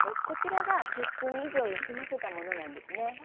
こちらが１０分以上休ませたものなんですね。